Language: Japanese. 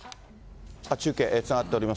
中継、つながっております。